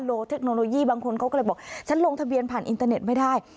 เทคโนโลยีบางคนเขาก็เลยบอกฉันลงทะเบียนผ่านอินเตอร์เน็ตไม่ได้